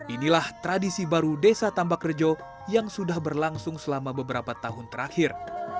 inilah tradisi baru desa tambak rejo yang sudah berlangsung selama beberapa tahun terakhir